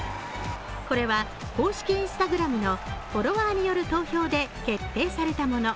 これは、公式Ｉｎｓｔａｇｒａｍのフォロワーによる投票で決定されたもの。